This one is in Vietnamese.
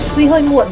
tuy hơi muộn